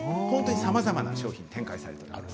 さまざまな商品が展開されています。